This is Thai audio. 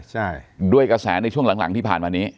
ใช่ด้วยกระแสในช่วงหลังหลังที่ผ่านมานี้